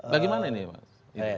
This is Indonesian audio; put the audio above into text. bagaimana ini pak